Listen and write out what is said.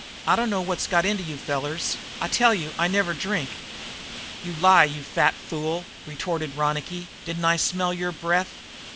"I dunno what's got into you fellers. I tell you, I never drink." "You lie, you fat fool!" retorted Ronicky. "Didn't I smell your breath?"